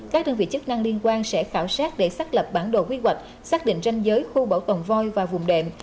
các đơn vị chức năng liên quan sẽ khảo sát để xác lập bản đồ quy hoạch xác định ranh giới khu bảo tồn voi và vùng đệm